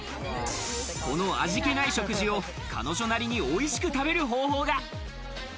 この味気ない食事を、彼女なりにおいしく食べる方法が。